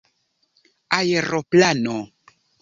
aeroplano